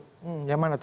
hmm yang mana tuh